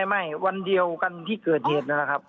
ไม่วันเดียวกันที่เกิดเหตุนั่นแหละครับ